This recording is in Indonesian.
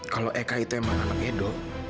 kalau eka itu emang anak edo